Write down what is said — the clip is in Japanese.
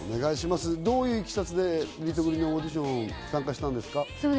どういう経緯でリトグリのオーディションに参加したんですか？